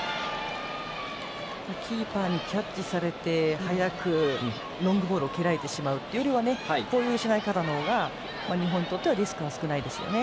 キーパーにキャッチされて早くロングボールを蹴られてしまうよりはこういう失い方の方が日本にとってはリスクは少ないですね。